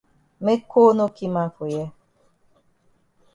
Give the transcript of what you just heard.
Make cold no ki man for here.